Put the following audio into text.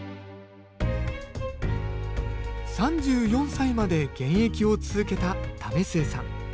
３４歳まで現役を続けた為末さん。